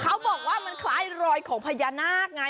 เขาบอกว่ามันคล้ายรอยของพญานาคไง